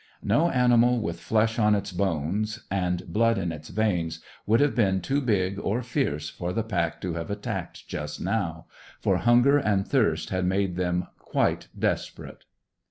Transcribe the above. No animal with flesh on its bones and blood in its veins would have been too big or fierce for the pack to have attacked just now; for hunger and thirst had made them quite desperate.